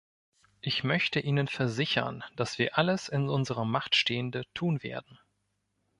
Ich möchte Ihnen versichern, dass wir alles in unserer Macht Stehende tun werden.